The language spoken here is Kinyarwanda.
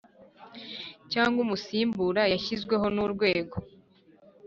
cyangwa umusimbura washyizweho n urwego